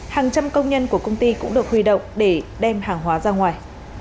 hàng trăm công nhân của công ty cũng được huy động để đem hàng hóa ra ngoài